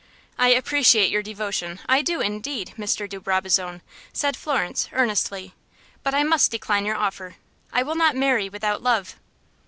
"I appreciate your devotion, I do, indeed, Mr. de Brabazon," said Florence, earnestly; "but I must decline your offer. I will not marry without love."